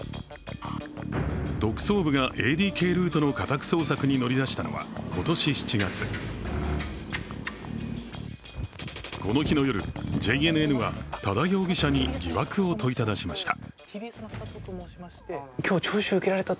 特捜部がＡＤＫルートの家宅捜索に乗り出したのは今年７月この日の夜、ＪＮＮは多田容疑者に疑惑を問いただしました。